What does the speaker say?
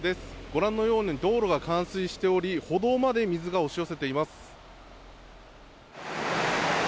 ご覧のように道路が冠水しており、歩道まで水が押し寄せています。